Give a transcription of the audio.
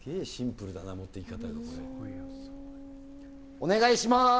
お願いします。